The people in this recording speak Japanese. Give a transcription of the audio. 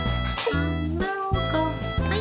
はい。